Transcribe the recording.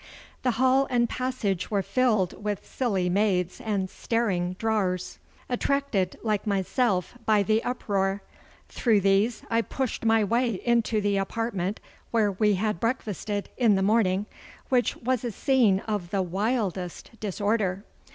The hall and passage were filled with silly maids and staring drawers, attracted, like myself, by the uproar. Through these I pushed my way into the apartment where we had breakfasted in the morning, which was a scene of the wildest disorder.